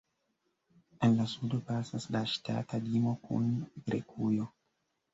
En la sudo pasas la ŝtata limo kun Grekujo.